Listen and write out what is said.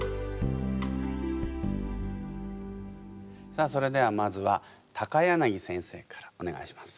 さあそれではまずは柳先生からお願いします。